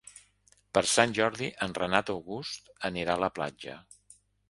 Per Sant Jordi en Renat August anirà a la platja.